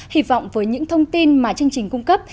hy vọng với những thông tin mà chương trình cung cấp